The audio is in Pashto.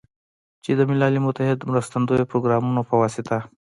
چې د ملل متحد مرستندویه پروګرامونو په واسطه